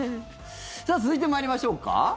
続いて参りましょうか。